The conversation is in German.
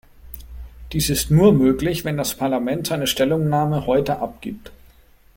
Dies ist nur möglich, wenn das Parlament seine Stellungnahme heute abgibt.